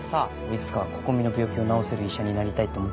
いつか心美の病気を治せる医者になりたいって思ってるんだ。